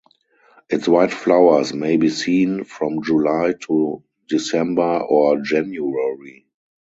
Its white flowers may be seen from July to December or January.